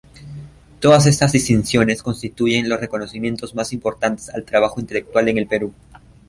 Todas estas distinciones constituyen los reconocimientos más importantes al trabajo intelectual en el Perú.